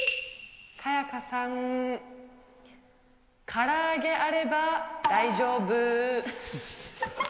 さやかさんから揚げあれば大丈夫。